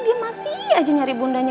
dia masih aja nyari bundanya